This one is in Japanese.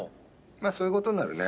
まあそういう事になるね。